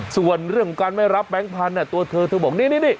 ส่วนเรื่องของการไม่รับแบงค์พันธุ์ตัวเธอเธอบอกนี่